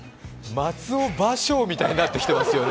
松尾芭蕉みたいになってきてますよね。